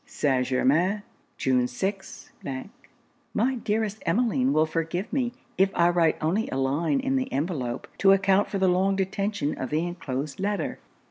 St. Germains, June 6. 'My dearest Emmeline will forgive me if I write only a line in the envelope, to account for the long detention of the enclosed letter.